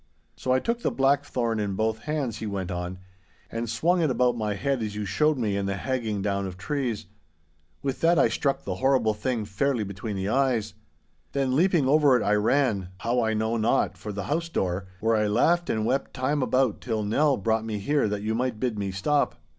'So I took the blackthorn in both hands,' he went on, 'and swung it about my head as you showed me in the hagging down of trees. With that I struck the horrible thing fairly between the eyes. Then leaping over it I ran, how I know not, for the house door—where I laughed and wept time about till Nell brought me here that you might bid me stop.